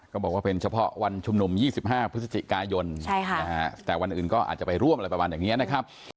บอกว่าเป็นเฉพาะวันชุมนุม๒๕พฤศจิกายนแต่วันอื่นก็อาจจะไปร่วมอะไรประมาณอย่างนี้นะครับ